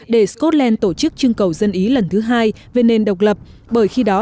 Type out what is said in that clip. để scotland tổ chức chương cầu dân ý lần thứ hai về nền độc lập bởi khi đó